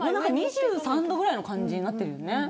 ２３度ぐらいの感じになってるよね。